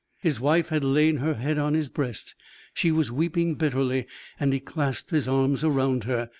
His wife had lain her head on his breast; she was weeping bitterly, and he clasped his arm round her.